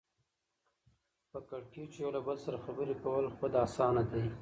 په کېړکیچو یو له بله سره خبرې کول خود اسانه دي